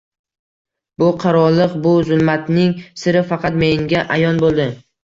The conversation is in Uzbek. Bu qarolig’ bu zulmatning siri faqat menga ayon bo’ldi.